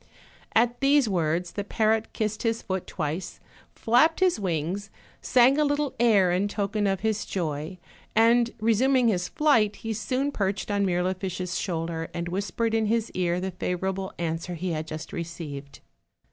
At these words the parrot kissed his foot twice, flapped his wings, sang a little air in token of his joy, and re suming his flight, he soon perched on Mirlifiche's shoul der, and whispered in his ear the favorable answer he had just received.